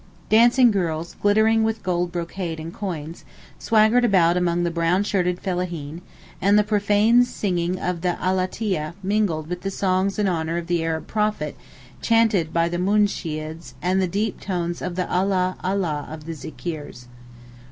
Dancing girls, glittering with gold brocade and coins, swaggered about among the brown shirted fellaheen, and the profane singing of the Alateeyeh mingled with the songs in honour of the Arab prophet chanted by the Moonsheeds and the deep tones of the 'Allah, Allah' of the Zikeers.